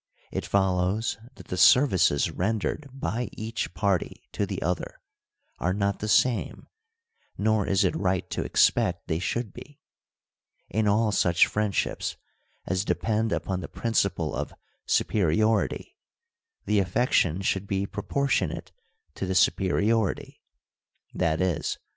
It follows that the services rendered by each party to the other are not the same, nor is it right to expect they should be. In all such friendships as depend upon the principle of 206 FEMINISM IN GREEK LITERATURE superiority, the affection should be proportionate to the superiority ; i.e.